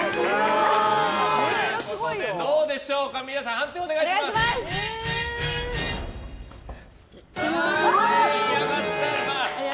どうでしょうか皆さん、判定お願いします。